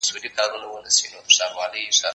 زه کولای سم ښوونځی ته ولاړ سم،